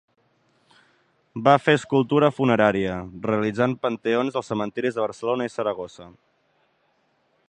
Va fer escultura funerària, realitzant panteons als cementiris de Barcelona i Saragossa.